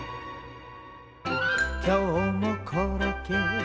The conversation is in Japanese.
「今日もコロッケ」